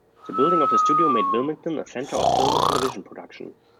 The building of the studio made Wilmington a center of film and television production.